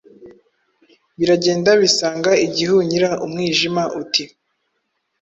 Biragenda bisanga igihunyira. Umwijima uti: